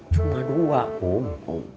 cuma dua kung